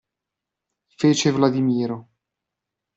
Fece Vladimiro.